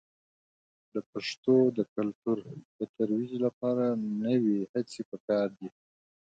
د پښتو د کلتور د ترویج لپاره نوې هڅې په کار دي.